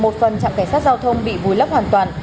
một phần trạm cảnh sát giao thông bị vùi lấp hoàn toàn